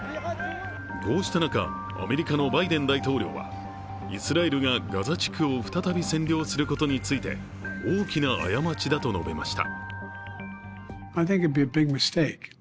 こうした中、アメリカのバイデン大統領はイスラエルがガザ地区を再び占領することについて大きな過ちだと述べました。